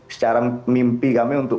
secara mimpi kami untuk